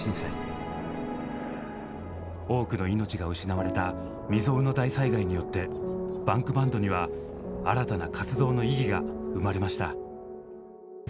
多くの命が失われた未曽有の大災害によってＢａｎｋＢａｎｄには新たな活動の意義が生まれました。